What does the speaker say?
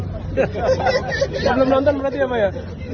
yang belum nonton berarti ya pak ya